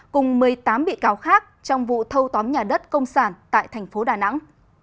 cùng một mươi tám bị cáo khác trong vụ thâu tóm nhà đất công sản tại tp đà nẵng